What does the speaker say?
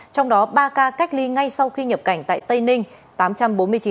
trong đó ba ca cách ly ngay sau khi nhập cảnh tại tây ninh